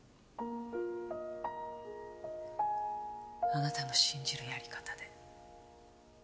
あなたの信じるやり方で。